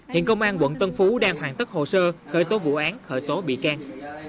hiện công an quận tân phú đang hoàn tất hồ sơ khởi tố vụ án khởi tố bị can